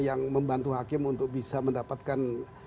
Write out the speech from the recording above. yang membantu hakim untuk bisa mendapatkan